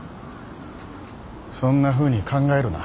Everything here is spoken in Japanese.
そんなふうに考えるな。